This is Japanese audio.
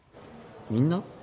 みんな？